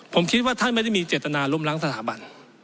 ผมคิดว่าท่านไม่ได้มีเจตนาล้มล้างสถาบัน